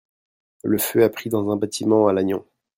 le feu a pris dans un bâtiment à Lannion.